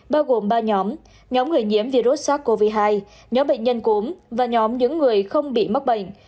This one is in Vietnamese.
bao gồm ba nhóm nhóm người nhiễm virus sars cov hai nhóm bệnh nhân cúm và nhóm những người không bị mắc bệnh